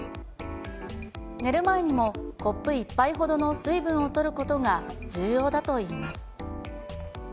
寝る前にもコップ１杯ほどの水分をとることが重要だといいます。